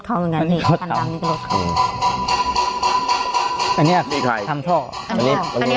เขาเหมือนกันอันนี้อันนี้อันนี้ใครทำท่ออันนี้อันนี้